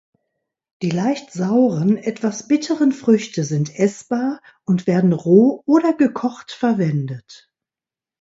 Die leicht sauren etwas bitteren Früchte sind essbar und werden roh oder gekocht verwendet.